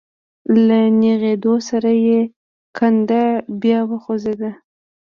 له نېغېدو سره يې کنده بيا وخوځېده.